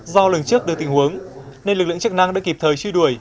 do lường trước được tình huống nên lực lượng chức năng đã kịp thời truy đuổi